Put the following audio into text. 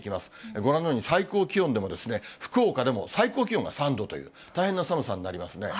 ご覧のように最高気温でも、福岡でも、最高気温が３度という、大変な寒さになりますね。